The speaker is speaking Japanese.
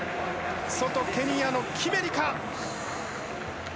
外、ケニアのキメリか。